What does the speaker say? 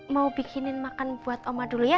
mau bikinin makan buat oma dulu ya